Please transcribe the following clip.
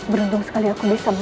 beruntung sekali aku bisa